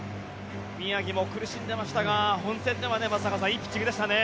宮城も苦しんでましたが本戦では松坂さんいいピッチングでしたね。